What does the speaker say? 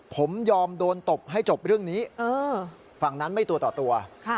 ผมยอมโดนตบให้จบเรื่องนี้ฝั่งนั้นไม่ตัวต่อตัว